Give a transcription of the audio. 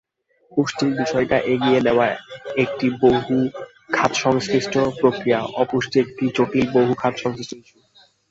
পুষ্টির বিষয়টি এগিয়ে নেওয়া একটিবহু খাত-সংশ্লিষ্ট প্রক্রিয়াঅপুষ্টি একটি জটিল, বহু খাত-সংশ্লিষ্ট ইস্যু।